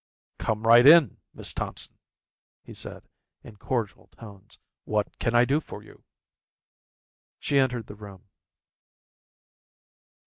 "Come right in, Miss Thompson," he said in cordial tones. "What can I do for you?" She entered the room.